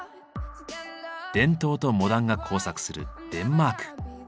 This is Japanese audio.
伝統とモダンが交錯するデンマーク。